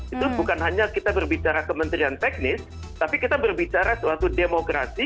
itu bukan hanya kita berbicara kementerian teknis tapi kita berbicara suatu demokrasi